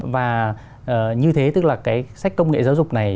và như thế tức là cái sách công nghệ giáo dục này